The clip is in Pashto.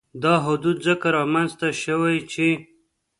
دا حدونه ځکه رامنځ ته شوي چې